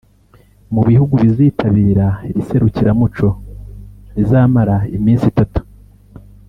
Mu bihugu bizitabira Iri serukiramuco rizamara iminsi itatu